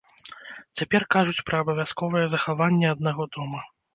Цяпер кажуць пра абавязковае захаванне аднаго дома.